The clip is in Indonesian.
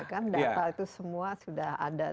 kan data itu semua sudah ada